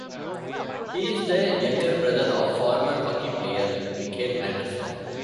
He is the younger brother of former hockey player Mikael Andersson.